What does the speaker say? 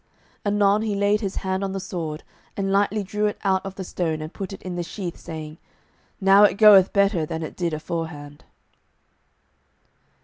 Anon he laid his hand on the sword, and lightly drew it out of the stone and put it in the sheath, saying, "Now it goeth better than it did aforehand."